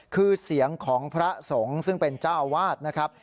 คือเสียงของพระสงฆ์ซึ่งเป็นเจ้าอาวาสนะครับ